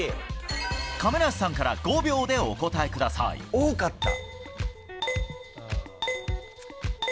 亀梨さんから、５秒でお答え多かった？